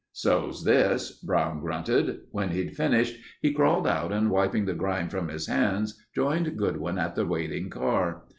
"So's this," Brown grunted. When he'd finished, he crawled out and wiping the grime from his hands, joined Goodwin at the waiting car.